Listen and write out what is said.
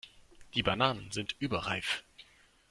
Die Bananen sind überreif.